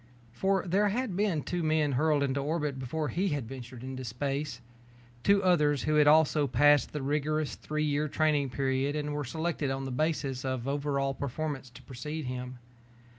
For there had been two men hurled into orbit before he ventured into space. Two others who had also passed the rigorous three year training period and were selected on the basis of over all performance to precede him.